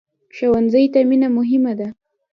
ښوونځی ته مینه مهمه ده